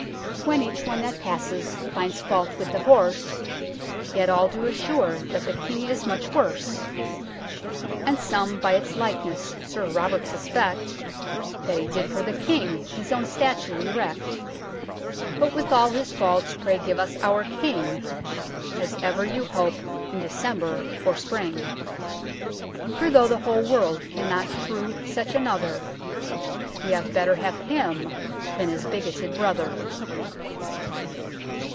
When each one that passes finds fault with the Horse, Yet all do assure that the King is much worse ; 174 UNKNOWN LONDON And some by its likeness Sir Robert suspect That he did for the King his own statue erect. But with all his faults pray give us our King As ever you hope in December for Spring. For tho" the whole World cannot shew such another, We had better have him than his bigotted Brother."